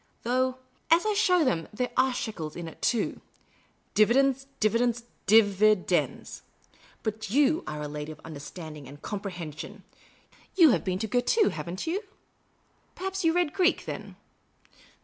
Though, as I show them, there are shekels in it, too. Dividends, dividends, di vidends. Ihxt j'o?t are a lady of understanding and comprehension. You have been to Girton, have n't you ? Perhaps you read Greek, then